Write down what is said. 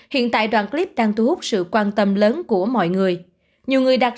hiện tại đoạn clip đang thu hút sự quan tâm lớn